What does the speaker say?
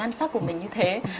và nhan sắc của mình như thế